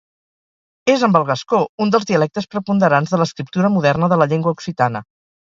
És amb el gascó un dels dialectes preponderants de l'escriptura moderna de la llengua occitana.